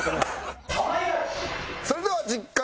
それでは実家